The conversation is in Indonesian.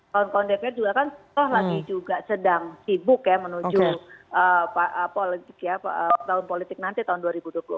kawan kawan dpr juga kan setelah lagi juga sedang sibuk ya menuju tahun politik nanti tahun dua ribu dua puluh empat